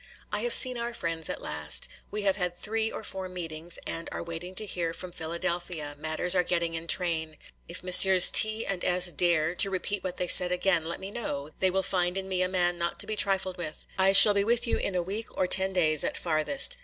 'I have seen our friends at last. We have had three or four meetings, and are waiting to hear from Philadelphia,—matters are getting in train. If Messrs. T. and S. dare to repeat what they said again, let me know; they will find in me a man not to be trifled with. I shall be with you in a week or ten days at farthest.